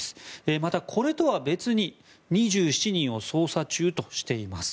またこれとは別に２７人を捜査中としています。